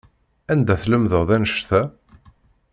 Anda tlemdeḍ annect-a?